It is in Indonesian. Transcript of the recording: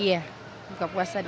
iya buka puasa di sini